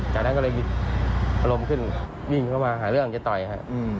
จากนั้นก็เลยมีอารมณ์ขึ้นวิ่งเข้ามาหาเรื่องจะต่อยครับ